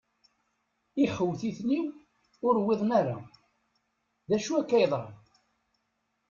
Iḥtuten-iw, ur uwiḍen ara. D acu akka i yeḍṛan?